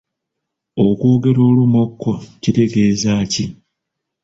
Okwogera olumokko kitegeeza ki?